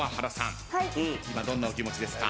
今どんなお気持ちですか？